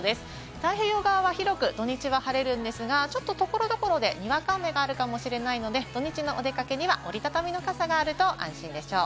太平洋側は広く土日は晴れるんですが、所々でにわか雨があるかもしれないので、土日のお出かけには折り畳みの傘があると安心でしょう。